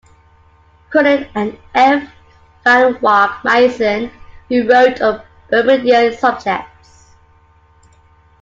Cronin and F. Van Wyck Mason, who wrote on Bermudian subjects.